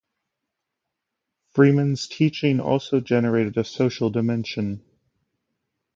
Freeman's teaching also generated a social dimension.